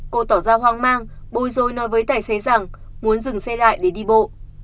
cô tỏ ra hoang mang bùi dối nói với tài xế rằng muốn dừng xe lại để đi bộ